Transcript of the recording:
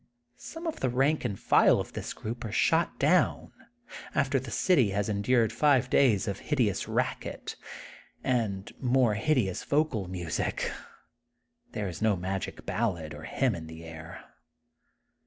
Some of the rank and file of this group are shot down, after the city has en dured five days of hideous "racket, and more hideous vocal music. There is no magic ballad or hymn in the air.